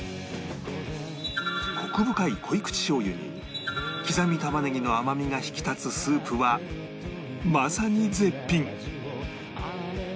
コク深い濃口しょう油に刻み玉ねぎの甘みが引き立つスープはまさに絶品